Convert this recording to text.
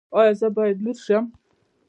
ایا زه باید لور شم؟